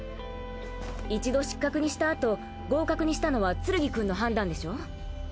一度失格にしたあと合格にしたのはツルギくんの判断でしょ？